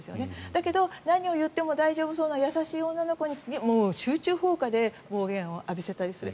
だけど何を言っても大丈夫そうな優しい女の子に集中砲火で暴言を浴びせたりする。